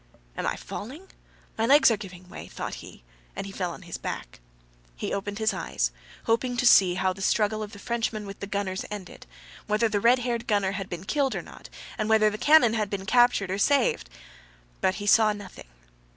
Am I falling? My legs are giving way," thought he, and fell on his back. He opened his eyes, hoping to see how the struggle of the Frenchmen with the gunners ended, whether the red haired gunner had been killed or not and whether the cannon had been captured or saved. But he saw nothing.